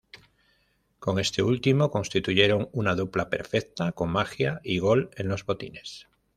Con este último constituyeron una dupla perfecta con magia y gol en los botines.